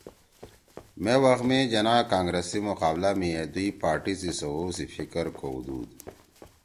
مے وخ می جناح کانگرس سی مقابلہ می اے دُوئی پارٹی سی سوَؤ سی فکر کؤدُود